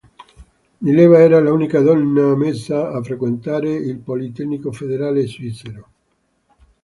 Mileva era l'unica donna ammessa a frequentare il politecnico federale svizzero.